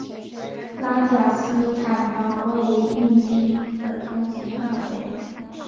拉贾斯坦邦为印地语的通行范围。